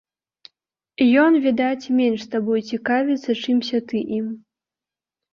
Ён, відаць, менш табой цікавіцца, чымся ты ім.